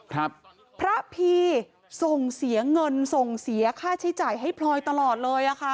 พระพีส่งเสียเงินส่งเสียค่าใช้จ่ายให้พลอยตลอดเลยอ่ะค่ะ